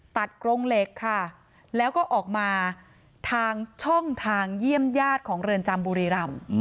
กรงเหล็กค่ะแล้วก็ออกมาทางช่องทางเยี่ยมญาติของเรือนจำบุรีรำ